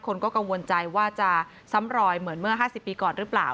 คนก็กังวลใจว่าจะซ้ำรอยเหมือนเมื่อ๕๐ปีก่อนหรือเปล่า